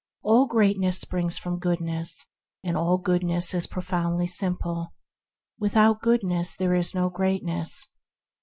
All greatness springs from goodness, and all goodness is pro foundly simple. Without goodness there is no greatness.